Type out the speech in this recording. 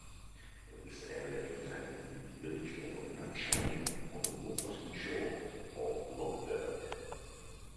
This area contains the village of Mountshannon on the north-western shore of Lough Derg.